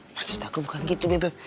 maksud aku bukan gitu bebek